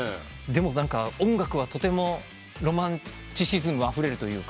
でも音楽はとてもロマンチシズムあふれるというか。